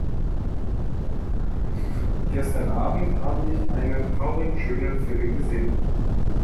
Gestern Abend habe ich einen traurigschönen Film gesehen.